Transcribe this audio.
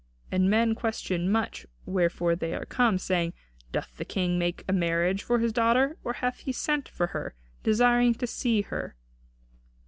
And men question much wherefore they are come, saying, 'Doth the King make a marriage for his daughter; or hath he sent for her, desiring to see her?'"